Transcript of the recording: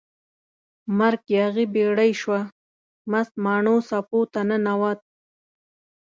مرک یاغي بیړۍ شوه، مست ماڼو څپو ته ننووت